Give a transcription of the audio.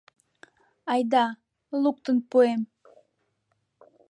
Айда, луктын пуэм.